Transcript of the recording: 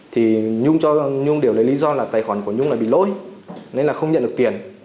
thì nhung đều lấy lý do là tài khoản của nhung bị lỗi nên là không nhận được tiền